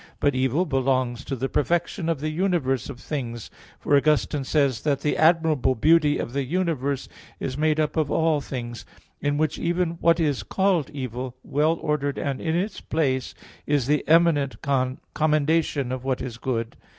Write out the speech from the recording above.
But evil belongs to the perfection of the universe of things; for Augustine says (Enchir. 10, 11) that the "admirable beauty of the universe is made up of all things. In which even what is called evil, well ordered and in its place, is the eminent commendation of what is good."